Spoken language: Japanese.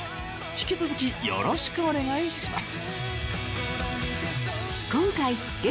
引き続きよろしくお願いします。